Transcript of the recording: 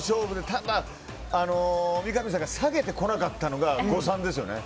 ただ、三上さんが下げてこなかったのが誤算です。